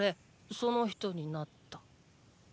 その人になった。